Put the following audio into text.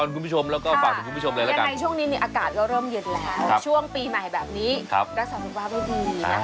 นี้จะได้ไปเจอกันก็สักปีหน้าฟ้าใหม่